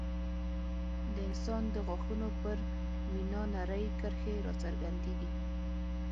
د انسان د غاښونو پر مینا نرۍ کرښې راڅرګندېږي.